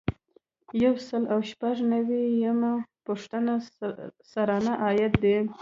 یو سل او شپږ نوي یمه پوښتنه سرانه عاید دی.